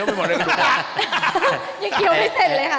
ยังเคี้ยวไม่เซ็นเลยค่ะ